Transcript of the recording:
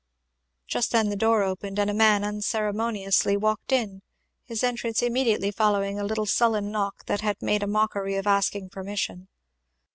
Just then the door opened and a man unceremoniously walked in, his entrance immediately following a little sullen knock that had made a mockery of asking permission.